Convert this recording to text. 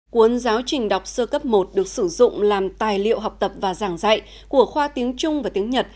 cuốn giáo trình đọc sơ cấp một được sử dụng làm tài liệu học tập và giảng dạy của khoa tiếng trung và tiếng nhật